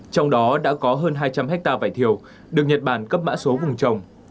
trong đó đã có hơn hai trăm linh hectare vải thiều được nhật bản cấp mã số vùng trồng